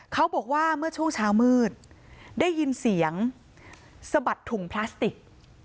เขาบอกว่าเมื่อช่วงเช้ามืดได้ยินเสียงสะบัดถุงพลาสติก